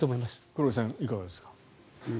黒井さん、いかがですか。